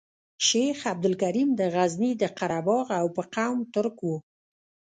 شیخ عبدالکریم د غزني د قره باغ او په قوم ترک وو.